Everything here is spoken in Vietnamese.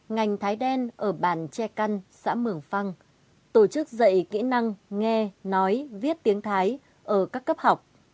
ngành thái đen ở bàn tre căn xã mường phăng tổ chức dạy kỹ năng nghe nói viết tiếng thái ở các cấp học